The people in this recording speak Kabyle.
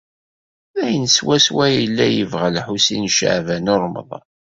D ayen swaswa ay yella yebɣa Lḥusin n Caɛban u Ṛemḍan.